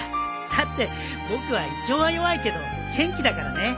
だって僕は胃腸は弱いけど元気だからね。